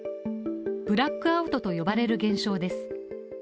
ブラックアウトと呼ばれる現象です。